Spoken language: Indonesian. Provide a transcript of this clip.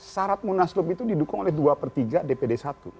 syarat munaslup itu didukung oleh dua per tiga dpd satu